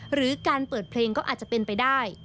หรือการเปิดเพลงก็อาจจะเป็นไปได้